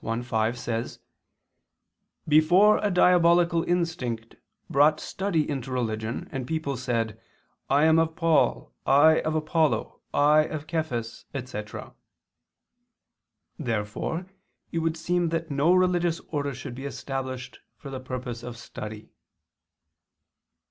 1:5) says: "Before a diabolical instinct brought study into religion, and people said: I am of Paul, I of Apollo, I of Cephas," etc. Therefore it would seem that no religious order should be established for the purpose of study.